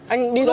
anh đi ra đi